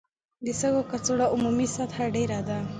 د سږو کڅوړو عمومي سطحه ډېره ده.